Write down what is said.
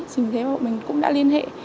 chính vì thế bọn mình cũng đã liên hệ